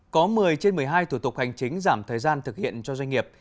có một mươi trên một mươi hai thủ tục hành chính giảm thời gian thực hiện cho doanh nghiệp